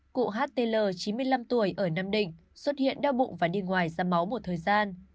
cụ htl chín mươi năm tuổi ở nam định xuất hiện đau bụng và đi ngoài ra máu một thời gian